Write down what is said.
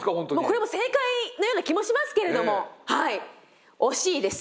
これも正解のような気もしますけれどもはい惜しいです。